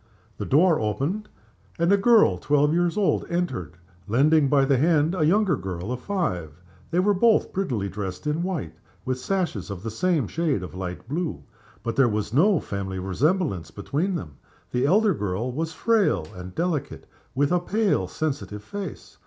The door opened, and a girl twelve years old entered, lending by the hand a younger girl of five. They were both prettily dressed in white, with sashes of the same shade of light blue. But there was no family resemblance between them. The elder girl was frail and delicate, with a pale, sensitive face.